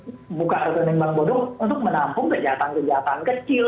lalu mereka lakukan buka rekening bank bodong untuk menampung kejahatan kejahatan kecil